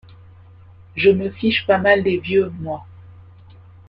Je me fiche pas mal des vieux, moi.